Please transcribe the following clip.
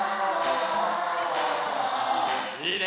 いいね！